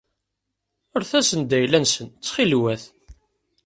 Rret-asen-d ayla-nsen ttxil-wet.